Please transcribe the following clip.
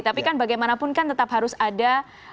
tapi kan bagaimanapun kan tetap harus ada